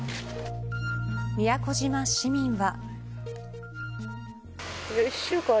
宮古島市民は。